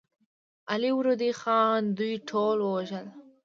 علي وردي خان دوی ټول ووژل.